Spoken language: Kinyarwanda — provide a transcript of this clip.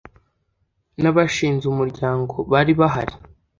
n abashinze umuryango bari bahari